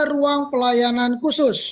di ruang pelayanan khusus